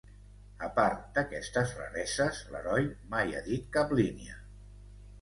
A part d'aquestes rareses, l'heroi mai ha dit cap línia.